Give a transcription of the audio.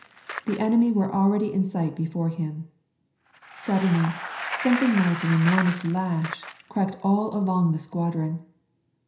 The enemy were already in sight before him. Suddenly, some thing like an enormous lash cracked all along the squadron.